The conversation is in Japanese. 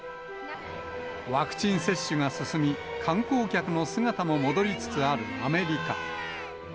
ワクチン接種が進み、観光客の姿も戻りつつあるアメリカ。